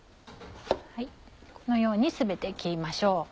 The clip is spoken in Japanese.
このように全て切りましょう。